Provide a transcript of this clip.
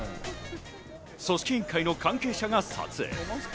組織委員会の関係者が撮影。